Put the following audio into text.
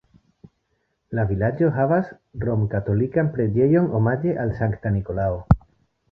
La vilaĝo havas romkatolikan preĝejon omaĝe al Sankta Nikolao.